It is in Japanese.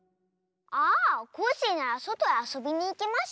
ああコッシーならそとへあそびにいきましたわ。